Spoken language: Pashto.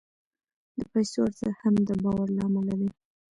د پیسو ارزښت هم د باور له امله دی.